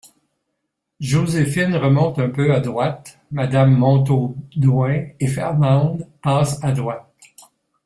Joséphine remonte un peu à droite, madame Montaudoin et Fernande passent à droite.